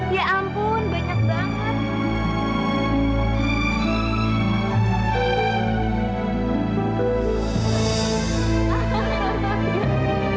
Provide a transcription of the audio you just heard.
ya ampun banyak banget